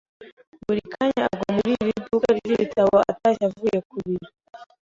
Buri kanya agwa muri iri duka ryibitabo atashye avuye ku biro.